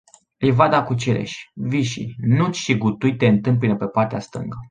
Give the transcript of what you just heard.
Livada cu cireși, vișini, nuci și gutui te întâmpină pe partea stângă.